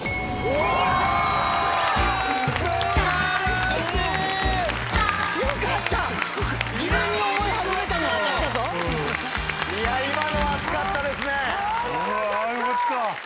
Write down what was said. あよかった！